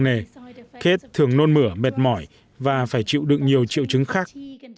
nề kết thường nôn mửa mệt mỏi và phải chịu đựng nhiều triệu chứng khác